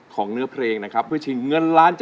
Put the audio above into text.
เนื้อเพลงนะครับเพื่อชิงเงินล้าน